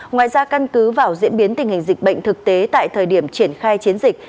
ngoài ra căn cứ vào diễn biến tình hình dịch bệnh thực tế tại thời điểm triển khai chiến dịch